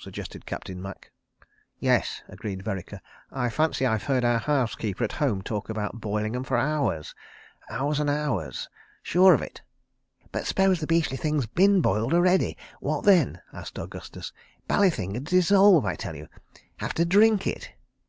suggested Captain Macke. "Yes," agreed Vereker. "I fancy I've heard our housekeeper at home talk about boiling 'em for hours. Hours and hours. ... Sure of it." "But s'pose the beastly thing's bin boiled already—what then?" asked Augustus. "Bally thing'd dissolve, I tell you. ... Have to drink it.